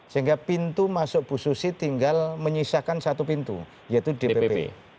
sehingga pintu masuk bu susi tinggal menyisakan satu pintu yaitu dpp